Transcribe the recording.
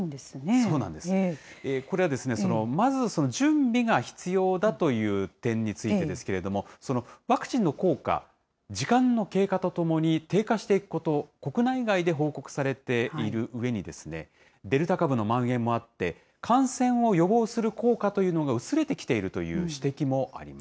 これはまず、準備が必要だという点についてですけれども、ワクチンの効果、時間の経過とともに低下していくこと、国内外で報告されているうえに、デルタ株のまん延もあって、感染を予防する効果というのが薄れてきているという指摘もありま